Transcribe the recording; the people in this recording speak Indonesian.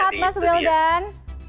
sehat mas wildan